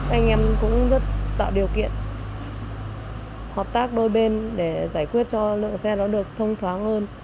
anh em cũng rất tạo điều kiện hợp tác đôi bên để giải quyết cho lượng xe nó được thông thoáng hơn